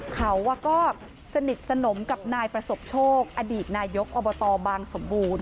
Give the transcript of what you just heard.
เขาก็สนิทสนมกับนายประสบโชคอดีตนายกอบตบางสมบูรณ